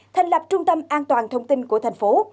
thành lập trung tâm an toàn thông tin của thành phố